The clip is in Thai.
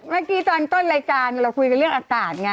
เมื่อกี้ตอนต้นรายการเราคุยกันเรื่องอากาศไง